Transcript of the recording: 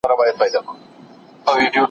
تکړښت د ښوونکي له خوا ښوول کيږي!.